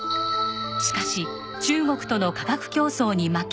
しかし中国との価格競争に負け